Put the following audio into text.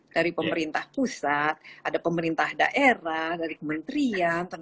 dari pemerintah pusat ada pemerintah daerah dari kementerian